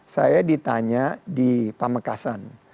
saya ditanya di pamekasan